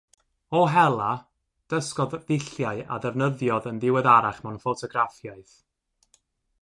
O hela, dysgodd ddulliau a ddefnyddiodd yn ddiweddarach mewn ffotograffiaeth.